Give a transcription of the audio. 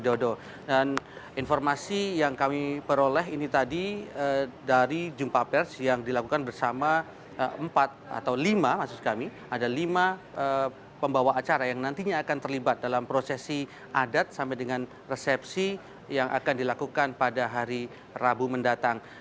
dan informasi yang kami peroleh ini tadi dari jum'a pers yang dilakukan bersama empat atau lima maksud kami ada lima pembawa acara yang nantinya akan terlibat dalam prosesi adat sampai dengan resepsi yang akan dilakukan pada hari rabu mendatang